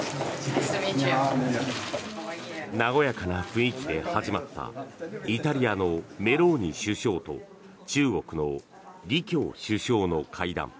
和やかな雰囲気で始まったイタリアのメローニ首相と中国の李強首相の会談。